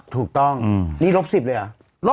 ถูกต้องนี่ลบ๑๐เลยเหรอ